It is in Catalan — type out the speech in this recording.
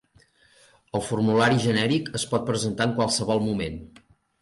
El formulari genèric es pot presentar en qualsevol moment.